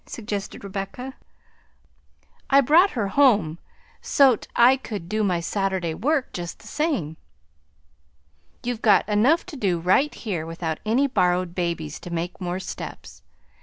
suggested Rebecca. "I brought her home so 't I could do my Saturday work just the same." "You've got enough to do right here, without any borrowed babies to make more steps.